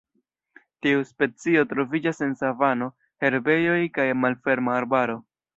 Tiu specio troviĝas en savano, herbejoj kaj malferma arbaro.